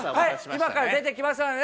今から出てきますのでね